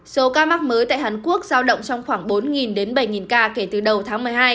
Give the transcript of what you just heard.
số ca mắc mới tại hàn quốc giao động trong khoảng bốn đến bảy ca kể từ đầu tháng một mươi hai